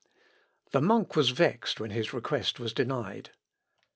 The monk was vexed when his request was denied.